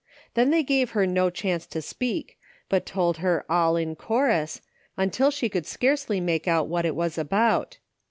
Then they gave her no chance to speak, but told her all in chorus, until she could scarcely make out what it was about.